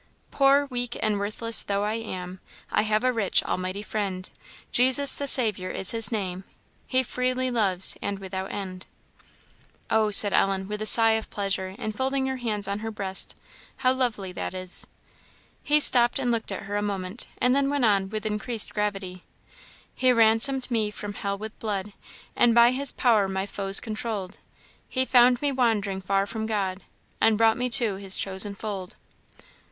"Poor, weak, and worthless though I am, I have a rich, almighty Friend; Jesus the Saviour is his name, He freely loves, and without end." "Oh," said Ellen, with a sigh of pleasure, and folding her hands on her breast, "how lovely that is!" He stopped and looked at her a moment, and then went on with increased gravity "He ransom'd me from hell with blood, And by his pow'r my foes controll'd; He found me wand'ring far from God, And brought me to his chosen fold."